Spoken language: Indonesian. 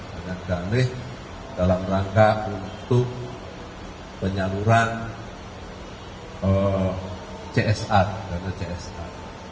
dan yang danir dalam rangka untuk penyaluran csi